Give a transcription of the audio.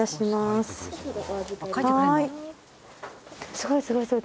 すごいすごいすごい。